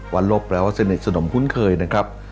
ลบแล้วสนิทสนมคุ้นเคยนะครับ